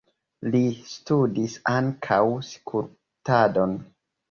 Li studis ankaŭ skulptadon.